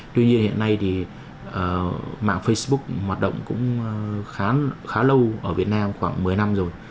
tuy nhiên hiện nay thì mạng facebook hoạt động cũng khá lâu ở việt nam khoảng một mươi năm rồi